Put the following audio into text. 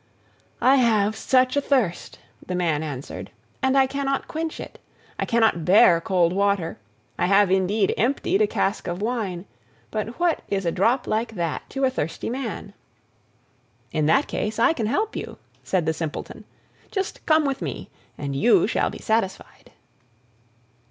"I have such a thirst," the man answered, "and I cannot quench it. I cannot bear cold water. I have indeed emptied a cask of wine, but what is a drop like that to a thirsty man?" "In that case I can help you," said the Simpleton. "Just come with me and you shall be satisfied."